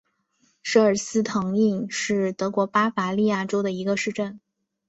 舍尔斯特滕是德国巴伐利亚州的一个市镇。